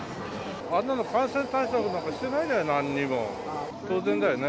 あんなの感染対策なんかしてないじゃない、なんにも。